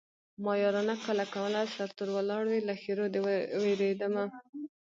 ما يارانه کله کوله سرتور ولاړ وې له ښېرو دې وېرېدمه